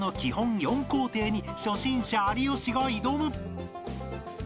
４工程に初心者有吉が挑む！